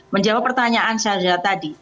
menjawab pertanyaan saza tadi